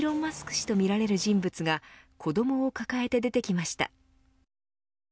氏とみられる人物が子どもを抱えて出てきました。